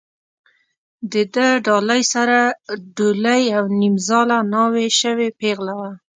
د ده ډالۍ سره ډولۍ او نیمزاله ناوې شوې پېغله وه.